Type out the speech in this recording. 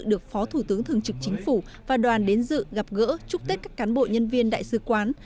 được phó thủ tướng thường trực chính phủ và đoàn đến dự gặp gỡ chúc tết các cán bộ nhân viên đại sứ quán